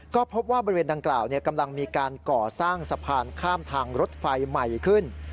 ก็พบว่าบริเวณดังกล่าวกำลังมีการก่อสร้างสะพานข้ามทางรถไฟใหม่ขึ้น